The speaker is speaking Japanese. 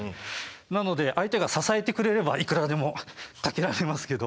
なので相手が支えてくれればいくらでもかけられますけど。